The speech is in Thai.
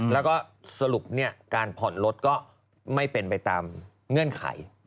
แล้วก็สรุปการผ่อนรถก็ไม่เป็นไปตามเงื่อนไข